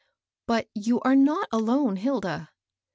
'' But you are not alone, Hilda."